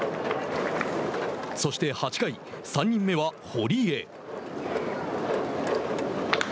そして８回、３人目は塹江。